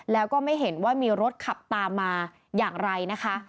แล้วก็ไม่เห็นว่ามีรถขับตามมาอย่างไรนะคะ